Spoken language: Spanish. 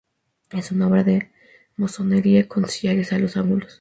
Es una obra de masonería con sillares a los ángulos.